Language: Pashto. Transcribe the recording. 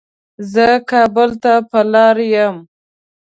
زه کابل ته په لاره يم